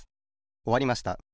おわりました。